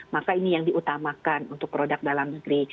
maka ini yang diutamakan untuk produk dalam negeri